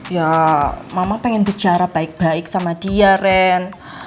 ya mama pengen bicara baik baik sama dia ren